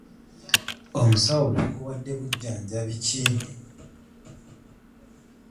Omusawo yakuwadde bujjanjabi ki?